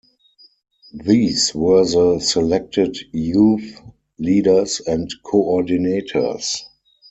These were the selected youth leaders and coordinators.